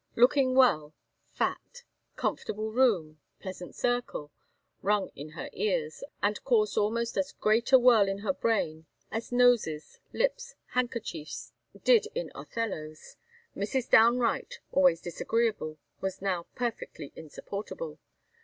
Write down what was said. Looking well fat comfortable room pleasant circle rung in her ears, and caused almost as great a whirl in her brain as noses, lips, handkerchiefs, did in Othello's Mrs. Downe Wright, always disagreeable, was now perfectly insupportable.